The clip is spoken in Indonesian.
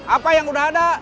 apa yang sudah ada